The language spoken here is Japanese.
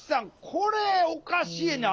これおかしいなあ。